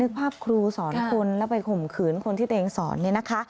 นึกภาพครูสอนคนแล้วไปข่มขืนคนที่ตัวเองสอน